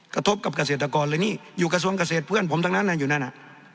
กระทบกับเกษตรกรเลยนี่อยู่กระทรวงเกษตรเพื่อนผมทั้งนั้นอยู่นั่นน่ะ